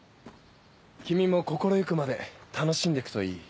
君も心行くまで楽しんでくといい。